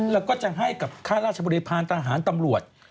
แล้วก็จะให้กับค่าราชบริพาณทหารตำรวจ